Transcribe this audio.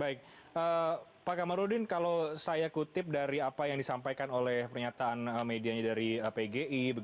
baik pak kamarudin kalau saya kutip dari apa yang disampaikan oleh pernyataan medianya dari pgi